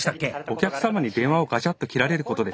お客さまに電話をガチャッと切られることです。